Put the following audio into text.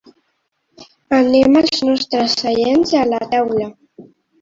Anem als nostres seients a la taula.